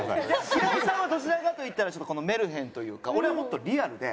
平井さんはどちらかといったらメルヘンというか俺はもっとリアルで。